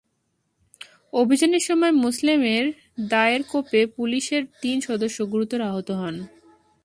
অভিযানের সময় মোসলেমের দায়ের কোপে পুলিশের তিন সদস্য গুরুতর আহত হন।